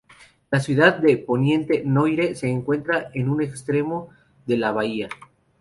La ciudad de Pointe-Noire se encuentra en un extremo de la bahía.